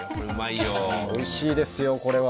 おいしいですよ、これは。